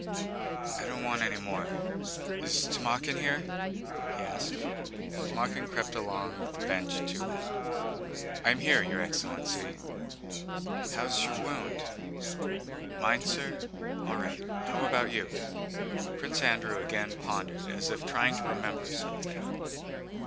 "I don't want any more. Is Timókhin here?" he asked. Timókhin crept along the bench to him. "I am here, your excellency." "How's your wound?" "Mine, sir? All right. But how about you?" Prince Andrew again pondered as if trying to remember something.